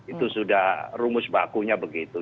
itu sudah rumus bakunya begitu